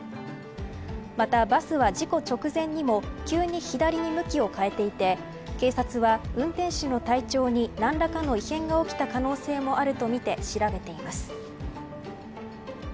またバスは事故直前にも急に左に向きを変えていて警察は、運転手の体調に何らかの異変が起きた可能性もあるとみて調べています。